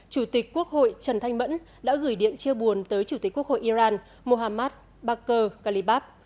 chủ tịch quốc hội trần thanh mẫn đã gửi điện chia buồn tới chủ tịch quốc hội iran mohammad barker calibab